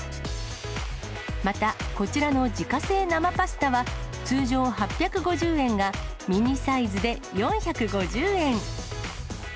また、こちらの自家製生パスタは、通常８５０円がミニサイズで４５０円。